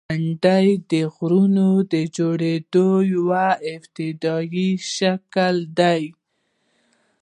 • غونډۍ د غرونو د جوړېدو یو ابتدایي شکل دی.